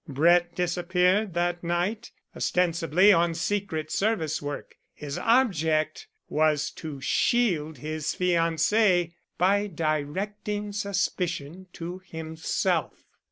Brett disappeared that night, ostensibly on secret service work. His object was to shield his fiancée by directing suspicion to himself."